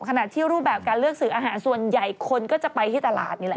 ขณะที่รูปแบบการเลือกสื่ออาหารส่วนใหญ่คนก็จะไปที่ตลาดนี่แหละ